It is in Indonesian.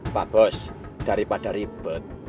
pak bos daripada ribet